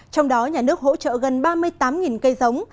trong đó nhà nước hỗ trợ gần ba mươi tám cây giống